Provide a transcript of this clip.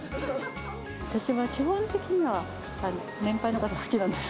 私は基本的には年配の方が好きなんです。